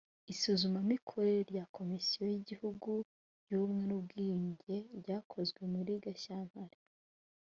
isuzumamikorere rya komisiyo y igihugu y ubumwe n ubwiyunge ryakozwe muri gashyantare